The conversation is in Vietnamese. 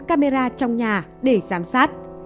camera trong nhà để giám sát